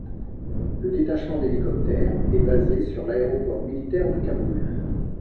Le Détachement d'hélicoptères est basé sur l’aéroport militaire de Kaboul.